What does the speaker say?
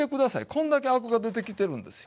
こんだけアクが出てきてるんですよ。